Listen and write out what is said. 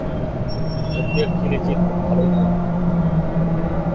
বক্তিয়ার খিলিজি ভালোই তো।